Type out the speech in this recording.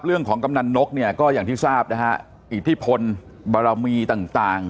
กำนันนกเนี่ยก็อย่างที่ทราบนะฮะอิทธิพลบารมีต่างต่าง